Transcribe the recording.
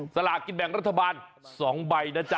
สลากินแบ่งรัฐบาล๒ใบนะจ๊